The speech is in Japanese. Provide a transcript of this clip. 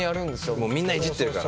もうみんないじってるから。